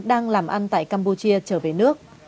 đang làm ăn tại campuchia trở về nước